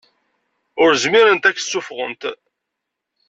Ur zmirent ad k-ssufɣent.